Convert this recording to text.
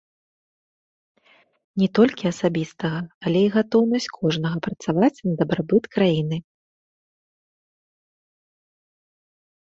Не толькі асабістага, але і гатоўнасць кожнага працаваць на дабрабыт краіны.